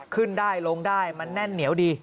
ขึ้นได้ลงได้มันแน่นเหนียวดี